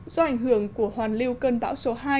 do ảnh hưởng của hoàn lưu cơn bão số hai